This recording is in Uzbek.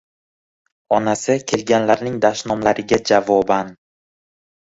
Onasi kelganlarning dashnomlariga javoban: